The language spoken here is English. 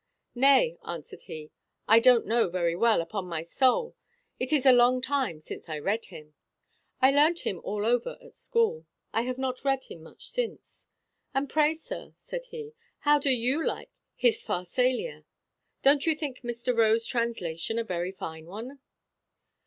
"Nay," answered he, "I don't know very well, upon my soul. It is a long time since I read him. I learnt him all over at school; I have not read him much since. And pray, sir," said he, "how do you like his Pharsalia? don't you think Mr. Rowe's translation a very fine one?"